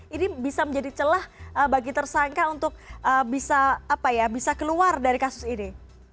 ini bisa menjadi celah bagi tersangka untuk bisa keluar dari kasus ini